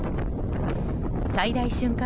最大瞬間